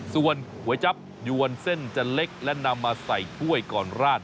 ส่วนก๋วยจับยวนเส้นจะเล็กและนำมาใส่ถ้วยก่อนราด